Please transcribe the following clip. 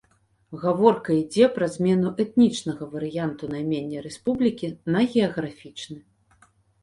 Гаворка ідзе пра змену этнічнага варыянту наймення рэспублікі на геаграфічны.